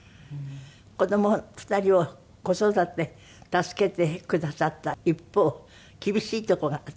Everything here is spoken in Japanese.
子供２人を子育て助けてくださった一方厳しいとこがあったんですって？